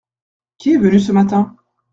Qui est venu ce matin ?